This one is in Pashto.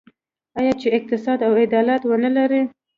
آیا چې اقتصاد او عدالت ونلري؟